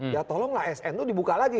ya tolonglah sn itu dibuka lagi